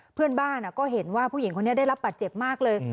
เพื่อนบ้านก็เห็นว่าผู้หญิงคนนี้ได้รับบาดเจ็บมากเลย